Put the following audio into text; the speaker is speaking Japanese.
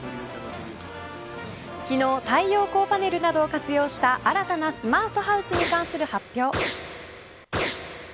昨日、太陽光パネルなどを活用した新たなスマートハウスに関する発表。